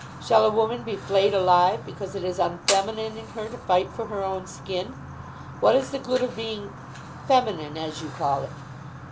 Shall a woman be flayed alive because it is unfeminine in her to fight for her own skin? What is the good of being feminine, as you call it?